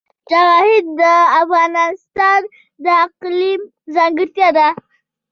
جواهرات د افغانستان د اقلیم ځانګړتیا ده.